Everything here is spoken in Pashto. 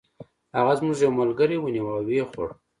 هغه زموږ یو ملګری ونیوه او و یې خوړ.